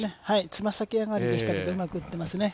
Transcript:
つま先上がりでしたけど、うまく打ってますね。